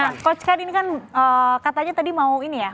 nah coach kan ini kan katanya tadi mau ini ya